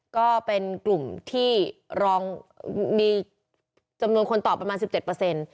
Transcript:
ก็เป็นกลุ่มที่มีจำนวนคนตอบประมาณ๑๗